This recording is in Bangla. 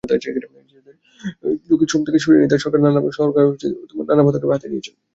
শিশুদের ঝুঁকিপূর্ণ শ্রম থেকে সরিয়ে নিতে সরকার নানা পদক্ষেপ হাতে নিয়েছে।